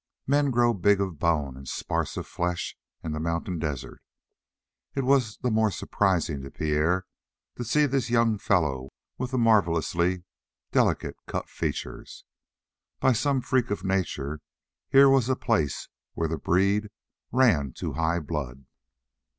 Men grow big of bone and sparse of flesh in the mountain desert. It was the more surprising to Pierre to see this young fellow with the marvelously delicate cut features. By some freak of nature here was a place where the breed ran to high blood.